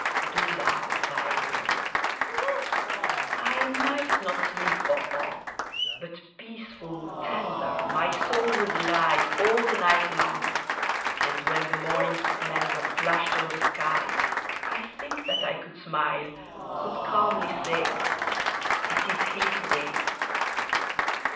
Do Thou Thy will." I might not sleep for awe; but peaceful, tender, My soul would lie All the night long; and when the morning splendor Flashed o'er the sky, I think that I could smile could calmly say, "It is His day."